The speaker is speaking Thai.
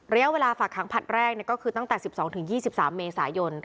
เริ่มเวลาฝากขังพัดแรกเนี่ยก็คือตั้งแต่สิบสองถึงยี่สิบสามเมซายน